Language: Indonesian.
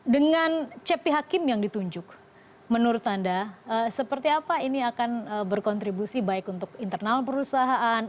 dengan cepi hakim yang ditunjuk menurut anda seperti apa ini akan berkontribusi baik untuk internal perusahaan